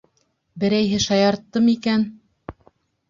Берәйһе шаярттымы икән?